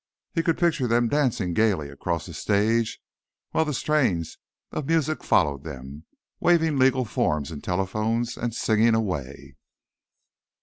He could picture them dancing gaily across a stage while the strains of music followed them, waving legal forms and telephones and singing away.